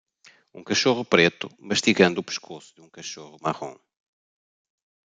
Um cachorro preto mastigando o pescoço de um cachorro marrom